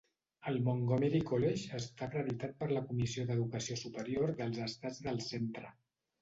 El Montgomery College està acreditat per la Comissió d'Educació Superior dels Estats del Centre.